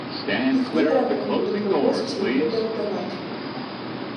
Іх не трэба нікуды прывозіць і нікуды аддаваць.